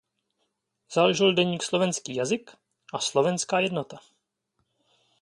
Založil deník Slovenský jazyk a Slovenská jednota.